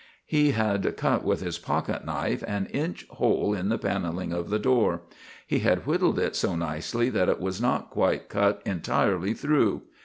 He had cut with his pocket knife an inch hole in the panelling of the door. He had whittled it so nicely that it was not quite cut entirely through.